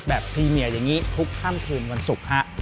พรีเมียอย่างนี้ทุกค่ำคืนวันศุกร์ฮะ